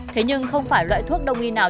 thế nhưng không phải loại thuốc đông y nào